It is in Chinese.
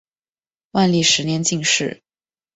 万历十年进士。